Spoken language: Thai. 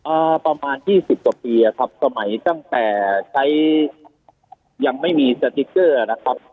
อ่าประมาณยี่สิบกว่าปีอะครับสมัยตั้งแต่ใช้ยังไม่มีสติ๊กเกอร์นะครับ